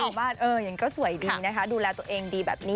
อย่างนี้ก็สวยดีนะคะดูแลตัวเองดีแบบนี้